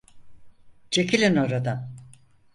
Çekilin oradan!